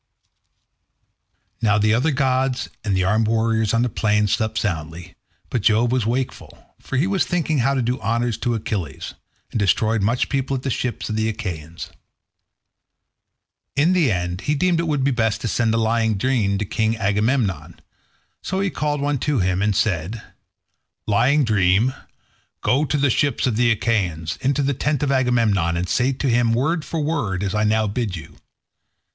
Now the other gods and the armed warriors on the plain slept soundly, but Jove was wakeful, for he was thinking how to do honour to Achilles, and destroyed much people at the ships of the Achaeans. In the end he deemed it would be best to send a lying dream to King Agamemnon; so he called one to him and said to it, "Lying Dream, go to the ships of the Achaeans, into the tent of Agamemnon, and say to him word for word as I now bid you.